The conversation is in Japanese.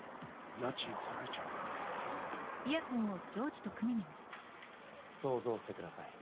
家賃払えちゃう想像してください